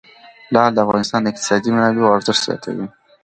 لعل د افغانستان د اقتصادي منابعو ارزښت زیاتوي.